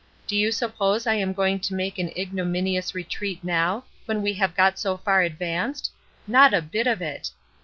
Do you suppose I am going to make an ignominious retreat now, when we have got so far advanced? Not a bit of it.